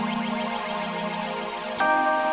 nah yang yang nya malaysia